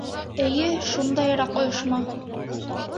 — Эйе, шундайыраҡ ойошма.